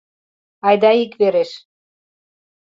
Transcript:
— Айда иквереш...